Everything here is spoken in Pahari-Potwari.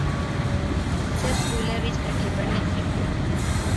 ہیسے سکولے وچ کٹھے پڑھنے سے